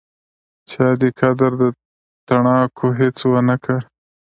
چا دې قدر د تڼاکو هیڅ ونکړ